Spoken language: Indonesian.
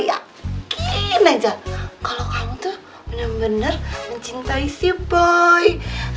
yakin aja kalau kamu tuh bener bener mencintai si boy